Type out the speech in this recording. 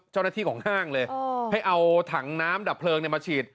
เจ้าหน้าที่ของห้างเลยให้เอาถังน้ำดับเพลิงมาฉีด